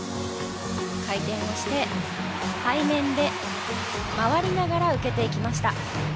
回転をして、背面で回りながら受けていきました。